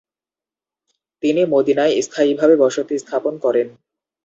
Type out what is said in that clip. তিনি মদিনায় স্থায়ীভাবে বসতি স্থাপন করেন।